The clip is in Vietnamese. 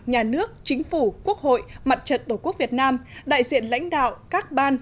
nhà nước chính phủ quốc hội mặt trận tổ quốc việt nam đại diện lãnh đạo các ban